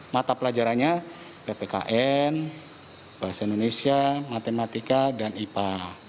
mata pelajarannya ppkn bahasa indonesia matematika dan ipa